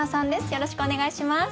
よろしくお願いします。